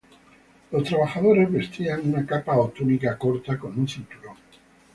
Los trabajadores vestían una capa o túnica corta, con un cinturón.